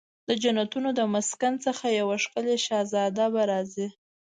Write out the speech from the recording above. د جنتونو د مسکن څخه یو ښکلې شهزاده به راځي